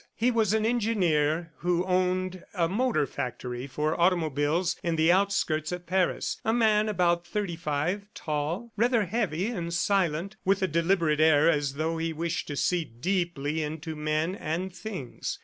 He was an engineer who owned a motor factory for automobiles in the outskirts of Paris a man about thirty five, tall, rather heavy and silent, with a deliberate air as though he wished to see deeply into men and things.